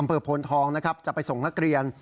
โพนทองนะครับจะไปส่งนักเรียน